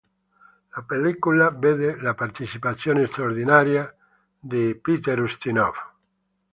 La pellicola vede la partecipazione straordinaria di Jerry Lewis.